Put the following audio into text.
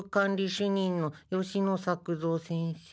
しゅ任の吉野作造先生。